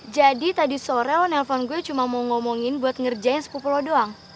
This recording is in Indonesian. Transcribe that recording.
jadi tadi sore lo nelpon gue cuma mau ngomongin buat ngerjain sepupu lo doang